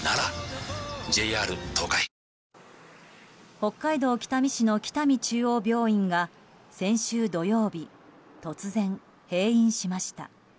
北海道北見市の北見中央病院が先週土曜日、突然閉院しました。